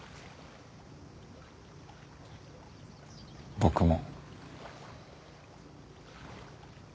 僕も。